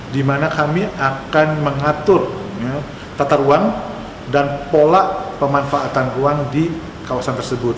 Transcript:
di mana kami akan mengatur tata ruang dan pola pemanfaatan ruang di kawasan tersebut